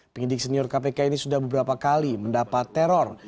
penyidik senior kpk ini sudah beberapa kali mendapat teror